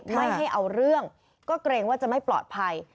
ไม่ให้เอาเรื่องก็เกรงว่าจะไม่ปลอดภัย